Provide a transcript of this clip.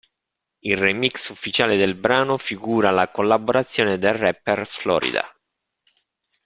Il remix ufficiale del brano figura la collaborazione del rapper Flo Rida.